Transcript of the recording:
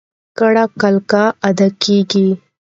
ګړه کلکه ادا کېږي.